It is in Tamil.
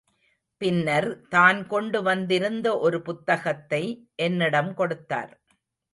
பின்னர், தான் கொண்டு வந்திருந்த ஒரு புத்தகத்தை என்னிடம் கொடுத்தார்.